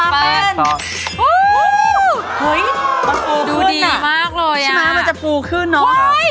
เฮ้ยมันปูขึ้นน่ะดูดีมากเลยอะใช่มั้ยมันจะปูขึ้นน้อง